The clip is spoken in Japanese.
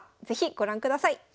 是非ご覧ください。